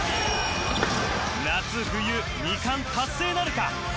夏冬２冠達成なるか？